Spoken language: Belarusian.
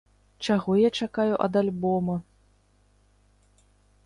Чаго я чакаю ад альбома?